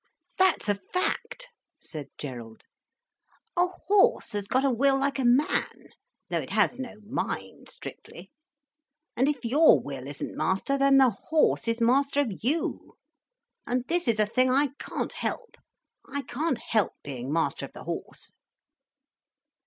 "That's a fact," said Gerald. "A horse has got a will like a man, though it has no mind strictly. And if your will isn't master, then the horse is master of you. And this is a thing I can't help. I can't help being master of the horse."